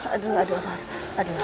aduh aduh aduh